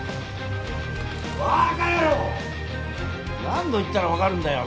何度言ったらわかるんだよ！